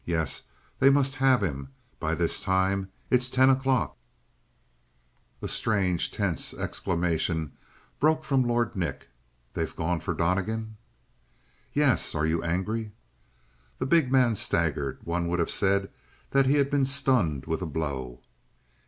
Yes, they must have him, by this time. It's ten o'clock!" A strangely tense exclamation broke from Lord Nick. "They've gone for Donnegan?" "Yes. Are you angry?" The big man staggered; one would have said that he had been stunned with a blow.